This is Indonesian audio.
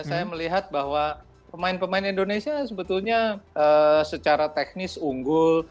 saya melihat bahwa pemain pemain indonesia sebetulnya secara teknis unggul